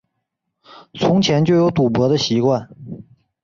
从前就有赌博的习惯